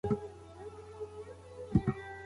موټر چلونکی په خپلو فکرونو کې ډوب و.